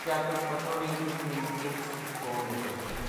کہن لگا یوہ جاتک پتو نے کسنے اِت چھوڈ دِتو